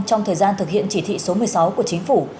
trong thời gian thực hiện chỉ thị số một mươi sáu của chính phủ